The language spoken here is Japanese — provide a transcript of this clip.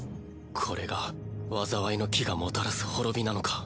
これが災いの樹がもたらす滅びなのか。